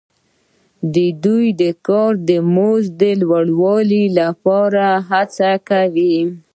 دوی د کار د مزد د لوړوالي لپاره هڅې کوي